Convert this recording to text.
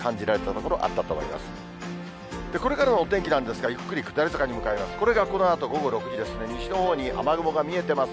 これからのお天気なんですが、ゆっくり下り坂に向かいます。